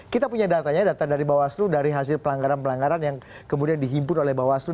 kita punya datanya data dari bawaslu dari hasil pelanggaran pelanggaran yang kemudian dihimpun oleh bawaslu